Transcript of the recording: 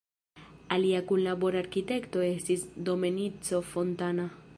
Alia kunlabora arkitekto estis Domenico Fontana.